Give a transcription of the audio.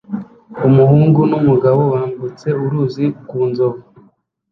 Umuhungu numugabo bambutse uruzi ku nzovu